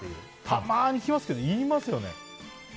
たまに聞きますけど言いますよね。